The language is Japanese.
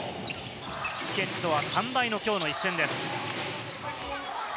チケットは完売のきょうの一戦です。